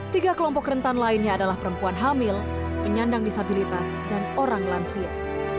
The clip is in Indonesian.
tiga kelompok rentan lainnya adalah perempuan hamil penyandang disabilitas dan orang lansia